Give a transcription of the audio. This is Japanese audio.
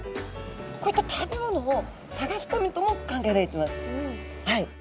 こういった食べ物を探すためとも考えられてます。